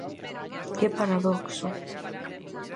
Que paradoxo!